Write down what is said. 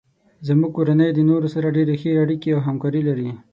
زمونږ کورنۍ د نورو سره ډیرې ښې اړیکې او همکاري لري